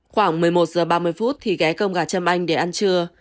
khoảng một mươi một h ba mươi thì ghé cơm gà châm anh để ăn trưa